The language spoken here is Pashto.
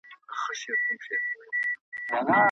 اړیکه د معلوماتو د تبادلې پله ده.